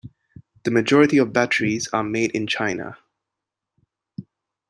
The majority of batteries are made in China.